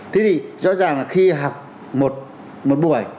thế thì rõ ràng là khi học một buổi